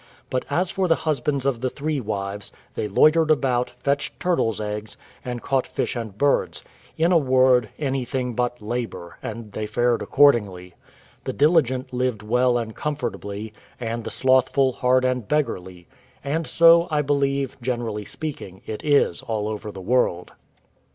But as for the husbands of the three wives, they loitered about, fetched turtles' eggs, and caught fish and birds: in a word, anything but labour; and they fared accordingly. The diligent lived well and comfortably, and the slothful hard and beggarly; and so, I believe, generally speaking, it is all over the world.